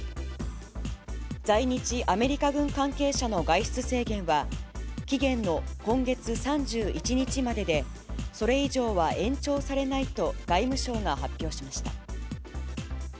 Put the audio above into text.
在日アメリカ軍関係者の外出制限は、期限の今月３１日までで、それ以上は延長されないと外務省が発表しました。